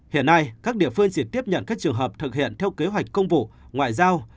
hiện nay các địa phương chỉ tiếp nhận các trường hợp thực hiện theo kế hoạch công vụ ngoại giao